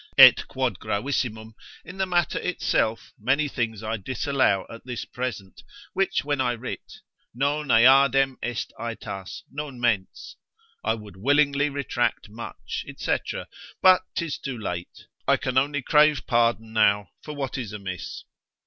Et quod gravissimum, in the matter itself, many things I disallow at this present, which when I writ, Non eadem est aetas, non mens; I would willingly retract much, &c., but 'tis too late, I can only crave pardon now for what is amiss.